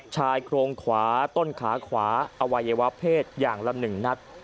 ชายโครงขวาต้นขาขวาอวัยวะเพศอย่างละ๑นัด